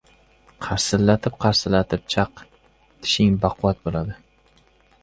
— Qirsillatib-qirsillatib chaq, tishing baquvvat bo‘ladi!